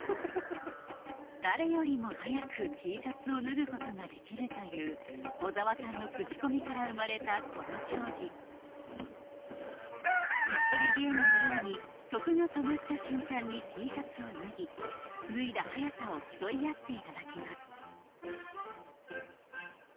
誰よりも早くＴシャツを脱ぐことが出来るという小澤さんのクチコミから生まれたこの競技椅子取りゲームのように曲が止まった瞬間にＴシャツを脱ぎ脱いだ早さを競い合っていただきます